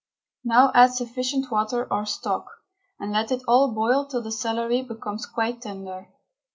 Now add sufficient water or stock, and let it all boil till the celery becomes quite tender.